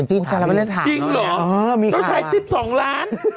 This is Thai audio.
จริงเหรอมีข่าวถ้าชายติ๊บสองล้าน